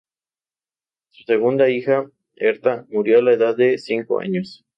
Su segunda hija, Hertha, murió a la edad de cinco años.